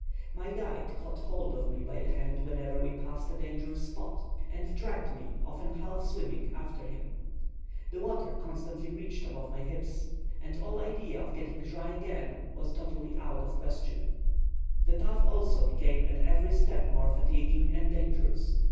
My guide caught hold of me by the hand whenever we passed a dangerous spot, and dragged me, often half swimming, after him. The water constantly reached above my hips, and all idea of getting dry again was totally out of the question. The path also became at every step more fatiguing and dangerous.